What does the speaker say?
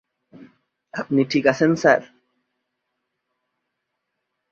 আপনি ঠিক আছেন, স্যার?